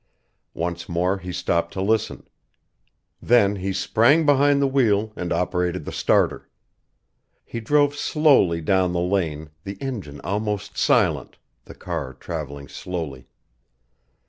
Once more he stopped to listen. Then he sprang behind the wheel and operated the starter. He drove slowly down the lane, the engine almost silent, the car traveling slowly.